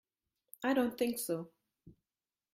I don't think so.